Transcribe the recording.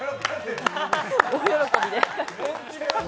大喜びで。